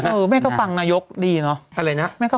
เออแม่นก็ฟังนายกดีเนอะ